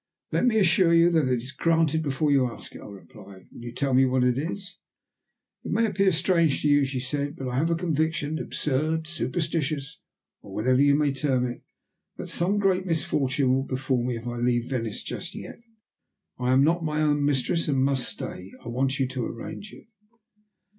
"Let me assure you that it is granted before you ask it," I replied. "Will you tell me what it is?" "It may appear strange to you," she said, "but I have a conviction, absurd, superstitious, or whatever you may term it, that some great misfortune will befall me if I leave Venice just yet. I am not my own mistress, and must stay. I want you to arrange it."